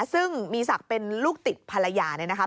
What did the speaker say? ซึ่งมีศักดิ์เป็นลูกติดภรรยาเนี่ยนะคะ